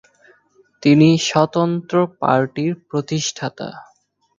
তিনি স্বতন্ত্র পার্টির প্রতিষ্ঠাতা।